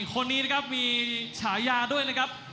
คนนี้นะครับมีฉายาด้วยนะครับ